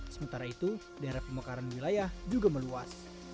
sementara itu daerah pemekaran wilayah juga meluas